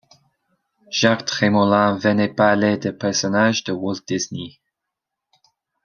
Jacques Trémolin venait parler des personnages de Walt Disney.